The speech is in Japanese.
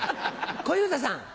小遊三さん。